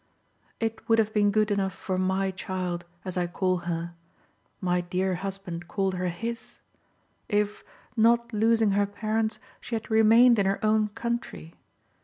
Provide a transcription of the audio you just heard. It would have been good enough for my child, as I call her my dear husband called her HIS if, not losing her parents, she had remained in her own country.